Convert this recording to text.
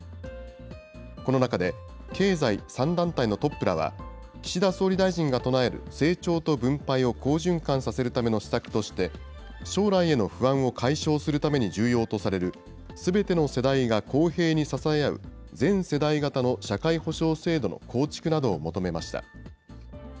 この中で、経済３団体のトップらは、岸田総理大臣が唱える、成長と分配を好循環させるための施策として、将来への不安を解消するために重要とされる、すべての世代が公平に支え合う、全世代型の社会保障制度の構築などを求めました。